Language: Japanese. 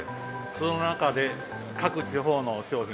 その中で各地方の商品を。